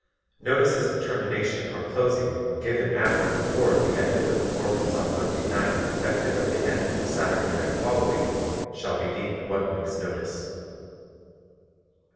Notices of termination or closing given at or before the end of the performance on Monday night effective at the end of the Saturday night following, shall be deemed one week's notice.